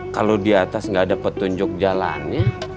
kalau di atas nggak ada petunjuk jalannya